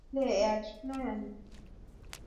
huelekea ziwa Viktoria Nyanza na kuingia mto Nile